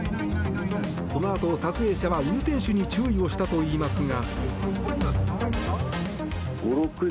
そのあと、撮影者は運転手に注意をしたといいますが。